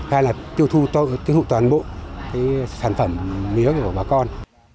hai là tiêu thu toàn bộ cái sản phẩm mía của bà con